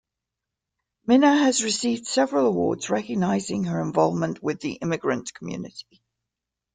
Minna has received several awards recognizing her involvement with the immigrant community.